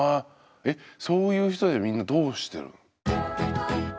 えそういう人ってみんなどうしてる？